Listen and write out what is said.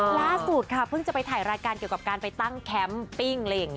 ล่าสุดค่ะเพิ่งจะไปถ่ายรายการเกี่ยวกับการไปตั้งแคมปิ้งอะไรอย่างนี้